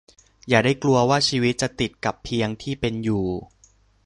อย่าได้กลัวว่าชีวิตจะติดกับเพียงที่เป็นอยู่